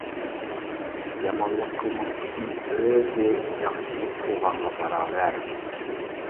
يامانلىق قىلماسلىقنىڭ ئۆزى ياخشىلىق قىلغانغا باراۋەر.